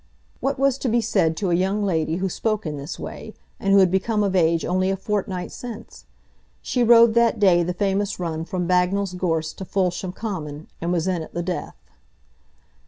What was to be said to a young lady who spoke in this way, and who had become of age only a fortnight since? She rode that day the famous run from Bagnall's Gorse to Foulsham Common, and was in at the death.